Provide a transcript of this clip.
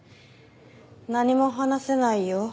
何も話せないよ。